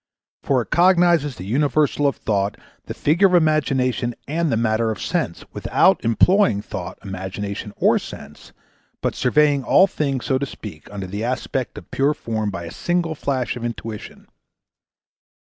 For it cognizes the universal of Thought, the figure of Imagination, and the matter of Sense, without employing Thought, Imagination, or Sense, but surveying all things, so to speak, under the aspect of pure form by a single flash of intuition.